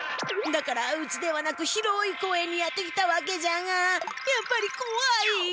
だからうちではなく広い公園にやって来たわけじゃがやっぱりこわい！